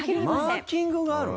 マーキングがある？